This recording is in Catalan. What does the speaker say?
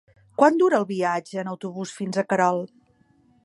Quant dura el viatge en autobús fins a Querol?